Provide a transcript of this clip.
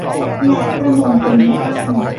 และประมงพื้นบ้าน